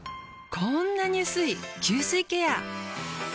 こんなに薄い吸水ケア。